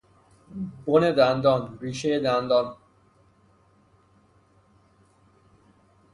بن دندان، ریشهی دندان